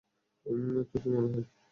তো, কী মনে হয়?